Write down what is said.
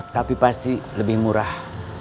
tapi pasti lebih murah